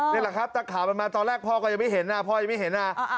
นี่แหละครับแต่ข่าวมันมาตอนแรกพ่อก็ยังไม่เห็นนะพ่อยังไม่เห็นนะ